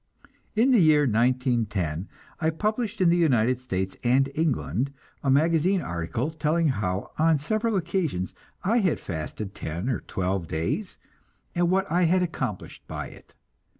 In the year 1910 I published in the United States and England a magazine article telling how on several occasions I had fasted ten or twelve days, and what I had accomplished by it.